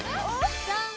じゃん！